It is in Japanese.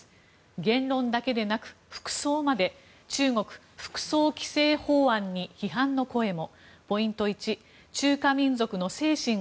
言論だけでなく服装まで中国、服装規制法案に批判の声も。